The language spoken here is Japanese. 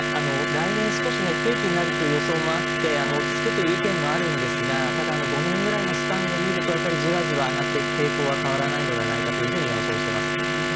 来年少し不景気になるという予想もあって落ち着くという意見もあるんですが５年ぐらいのスパンで見るとやっぱりじわじわ上がっていく傾向は変わらないのではないかと予想しています。